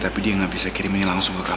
tapi dia gak bisa kirimin langsung aja ya